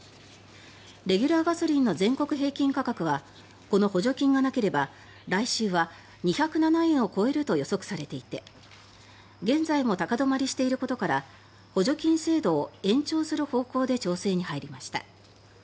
レギュラーガソリンの全国平均価格はこの補助金がなければ来週は２０７円を超えると予測されていて現在も高止まりしていることから補助金制度を延長する方向で調整に入りました。